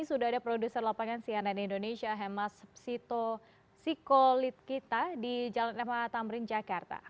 sudah ada produser lapangan cnn indonesia hemas sito sikolit kita di jalan mh tamrin jakarta